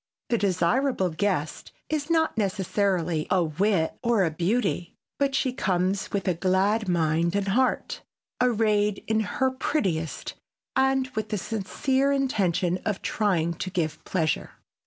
The desirable guest is not necessarily a wit or a beauty but she comes with a glad mind and heart, arrayed in her prettiest and with the sincere intention of trying to give pleasure.